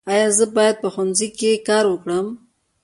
ایا زه باید په ښوونځي کې کار وکړم؟